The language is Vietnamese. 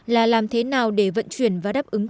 là làm thế nào để vận chuyển và đáp ứng